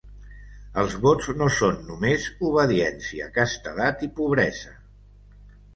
Els vots no són només obediència, castedat i pobresa.